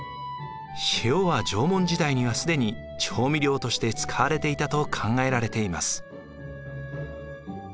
塩は縄文時代には既に調味料として使われていたと考えられています。